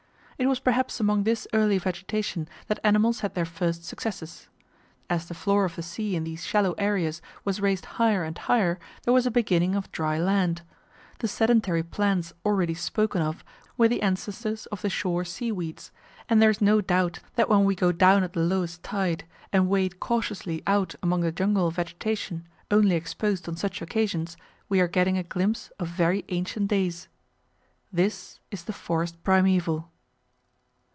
It was perhaps among this early vegetation that animals had their first successes. As the floor of the sea in these shallow areas was raised higher and higher there was a beginning of dry land. The sedentary plants already spoken of were the ancestors of the shore seaweeds, and there is no doubt that when we go down at the lowest tide and wade cautiously out among the jungle of vegetation only exposed on such occasions we are getting a glimpse of very ancient days. This is the forest primeval.